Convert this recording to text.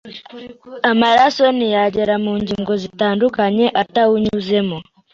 amaraso ntiyagera mu ngingo zitandukanye atawunyuzemo